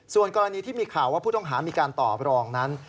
ส่วนกรณีที่มีข่าวว่าผู้ต้องหามีการตอบรองนั้น